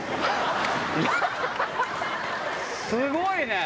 すごいね！